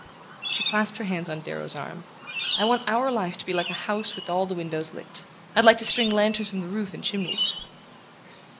She clasped her hands on Darrow's arm. "I want our life to be like a house with all the windows lit: I'd like to string lanterns from the roof and chimneys!"